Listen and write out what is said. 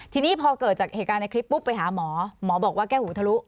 ทีนี้พอเกิดจากเหตุการณ์ในคลิปปุ๊บไปหาหมอหมอบอกว่าแก้หูทะลุ